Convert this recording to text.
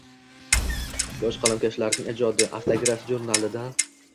Yosh qalamkashlarning ijodi “Avtograf” jurnalidang